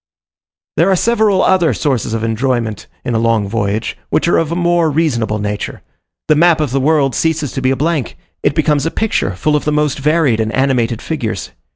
There are several other sources of enjoyment in a long voyage, which are of a more reasonable nature. The map of the world ceases to be a blank; it becomes a picture full of the most varied and animated figures.